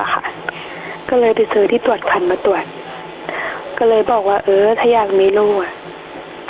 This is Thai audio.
ก็เลยไปซื้อที่ตรวจคันมาตรวจก็เลยบอกว่าเออถ้าอยากมีลูกอ่ะ